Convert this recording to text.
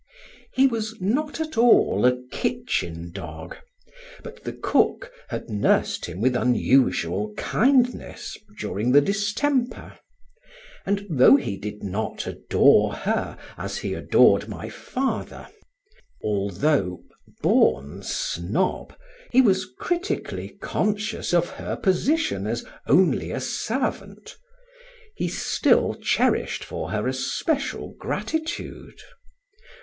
He was not at all a kitchen dog, but the cook had nursed him with unusual kindness during the distemper; and though he did not adore her as he adored my father although (born snob) he was critically conscious of her position as "only a servant" he still cherished for her a special gratitude.